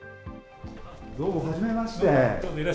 どうも、はじめまして。